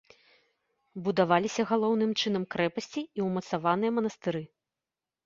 Будаваліся галоўным чынам крэпасці і ўмацаваныя манастыры.